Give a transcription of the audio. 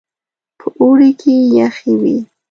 په اوړي کې يخې وې.